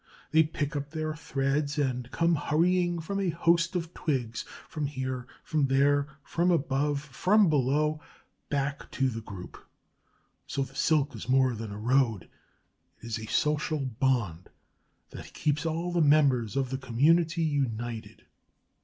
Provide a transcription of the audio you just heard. They pick up their threads, and come hurrying from a host of twigs, from here, from there, from above, from below, back to the group. So the silk is more than a road: it is a social bond that keeps all the members of the community united.